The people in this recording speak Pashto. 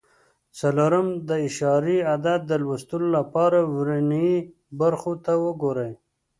څلورم: د اعشاري عدد د لوستلو لپاره ورنیي برخو ته وګورئ.